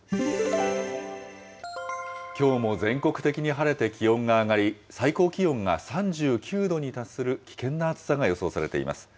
きょうも全国的に晴れて気温が上がり、最高気温が３９度に達する危険な暑さが予想されています。